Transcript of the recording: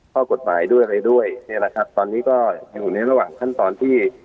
ข้อกฎหมายด้วยอะไรด้วยเนี่ยแหละครับตอนนี้ก็ยังอยู่ในระหว่างขั้นตอนที่